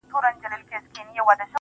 o زه د یویشتم قرن غضب ته فکر نه کوم.